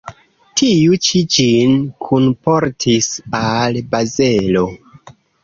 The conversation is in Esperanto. Tiu ĉi ĝin kunportis al Bazelo.